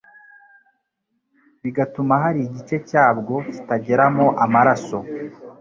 bigatuma hari igice cyabwo kitageramo amaraso